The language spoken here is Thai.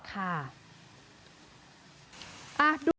ค่ะ